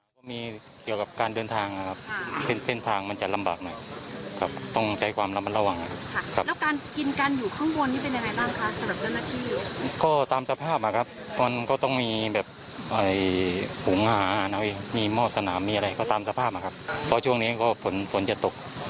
ไปก่อนนะครับก่อนที่ฝนจะตก